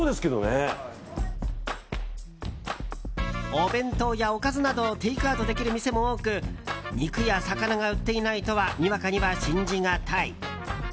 お弁当や、おかずなどをテイクアウトできる店も多く肉や魚が売っていないとはにわかには信じがたい。